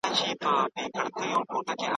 بریالیو خلکو ډېري ستونزي حل کړي دي.